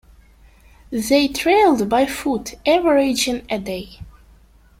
They trailed by foot, averaging a day.